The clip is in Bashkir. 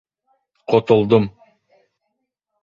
Ҡотолдом!